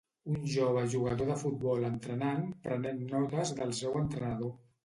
Un jove jugador de futbol entrenant, prenent notes del seu entrenador.